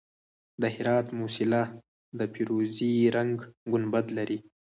د هرات موسیلا د فیروزي رنګ ګنبد لري